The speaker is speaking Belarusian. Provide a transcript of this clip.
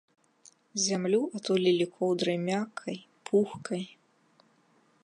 Зямлю атулілі коўдрай мяккай, пухкай.